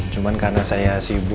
cuman karena saya sibuk